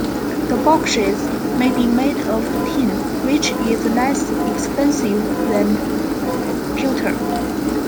The boxes may be made of tin, which is less expensive than pewter.